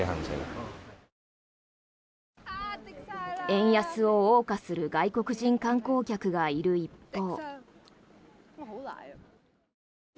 円安をおう歌する外国人観光客がいる一方。